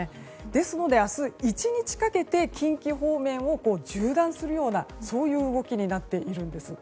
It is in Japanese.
ですので、明日１日かけて近畿方面を縦断するようなそういう動きになっていきます。